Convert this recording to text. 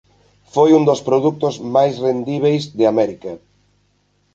Foi un des produtos máis rendíbeis de América.